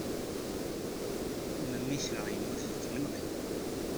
Memmi-tneɣ yemmut deg yimenɣi.